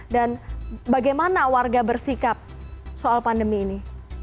dan bagaimana warga bersikap soal pandemi ini